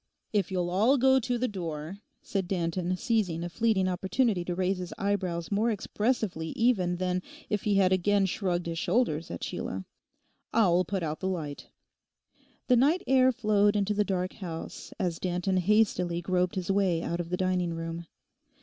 'If you'll all go to the door,' said Danton, seizing a fleeting opportunity to raise his eyebrows more expressively even than if he had again shrugged his shoulders at Sheila, 'I'll put out the light.' The night air flowed into the dark house as Danton hastily groped his way out of the dining room.